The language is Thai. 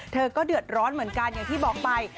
เธอก็เดือดร้อนเหมือนกันอย่างที่บอกไป